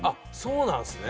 そうなんですね。